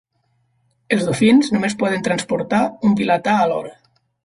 Els dofins només poden transportar un vilatà alhora.